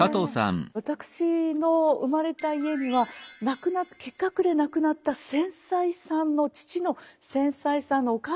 私の生まれた家には結核で亡くなった先妻さんの父の先妻さんのお母様がいたんです。